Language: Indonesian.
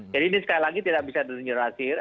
jadi ini sekali lagi tidak bisa di generalisir